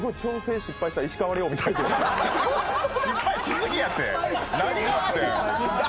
失敗しすぎやって。